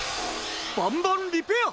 バンバンリペア！